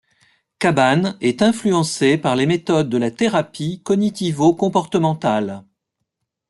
Cabane est influencée par les méthodes de la thérapie cognitivo-comportementale.